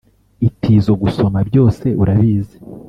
itizo gusoma byose urabizi